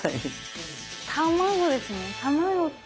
卵ですね卵。